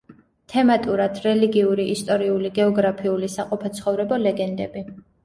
თემატურად: რელიგიური, ისტორიული, გეოგრაფიული, საყოფაცხოვრებო ლეგენდები.